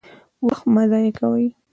وخت مه ضايع کوئ!